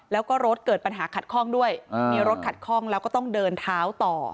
แล้วก็รถเกิดปัญหาขัดข้องด้วยมีรถขัดข้องแล้วก็ต้องเดินเท้าต่อ